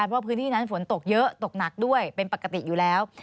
ว่าพื้นที่นั้นฝนตกเยอะตกหนักด้วยเป็นปกติอยู่แล้ว